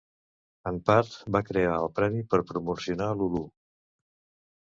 En part, va crear el premi per promocionar Lulu.